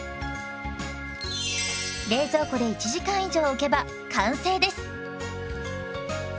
冷蔵庫で１時間以上おけば完成です。